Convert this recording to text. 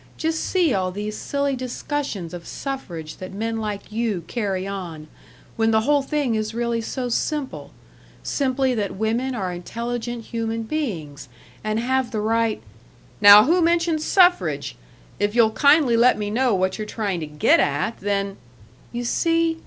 just see all these silly discussions of suffrage that men like you carry on, when the whole thing is really so simple: simply that women are intelligent human beings, and have the right " "Now who mentioned suffrage? If you'll kindly let me know what you're trying to get at, then " "You see?